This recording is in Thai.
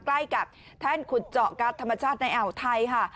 ใกล้กับแท่นขุดเจาะการ์ดธรรมชาติในอ่าวไทยค่ะ